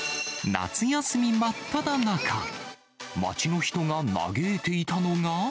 夏休み真っただ中、街の人が嘆いていたのが。